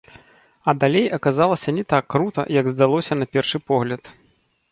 А далей аказалася не так крута, як здалося на першы погляд.